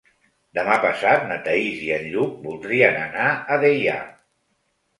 Demà passat na Thaís i en Lluc voldrien anar a Deià.